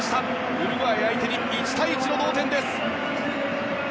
ウルグアイ相手に１対１の同点です。